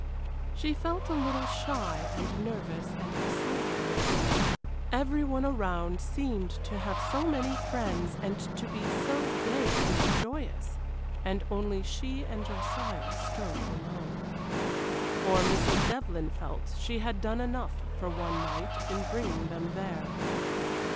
She felt a little shy and nervous and excited withal. Every one around seemed to have so many friends, and to be so gay and joyous, and only she and Josiah stood alone. For Mrs. Devlyn felt she had done enough for one night in bringing them there.